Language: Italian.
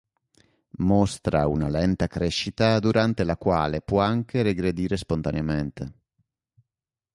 Mostra una lenta crescita durante la quale può anche regredire spontaneamente.